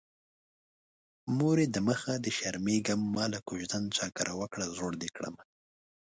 مورې د مخه دې شرمېږم ماله کوژدن چا کره وکړه زوړ دې کړمه